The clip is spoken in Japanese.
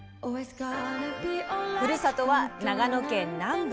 ふるさとは長野県南部。